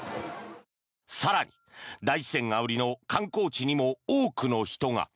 更に、大自然が売りの観光地にも多くの人が。